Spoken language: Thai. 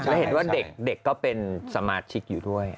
หมายถึงว่าเด็กก็เป็นสมาชิกอยู่ด้วย